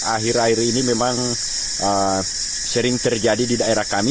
akhir akhir ini memang sering terjadi di daerah kami